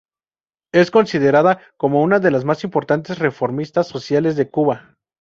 Es considerada como una de las más importantes reformistas sociales de Cuba.